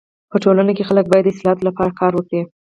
په ټولنه کي خلک باید د اصلاحاتو لپاره کار وکړي.